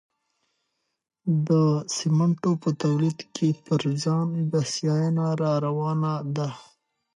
د سمنټو په تولید کې پر ځان بسیاینه راروانه ده.